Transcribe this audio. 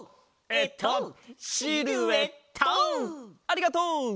ありがとう！